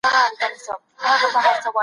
د پروردګار له ازلي علم سره سم خلیفه پیدا سو.